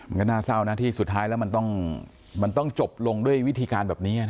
มันก็น่าเศร้านะที่สุดท้ายแล้วมันต้องจบลงด้วยวิธีการแบบนี้นะ